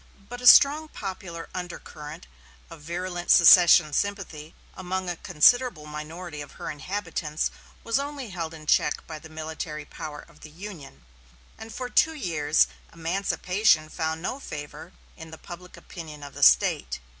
But a strong popular undercurrent of virulent secession sympathy among a considerable minority of her inhabitants was only held in check by the military power of the Union, and for two years emancipation found no favor in the public opinion of the State.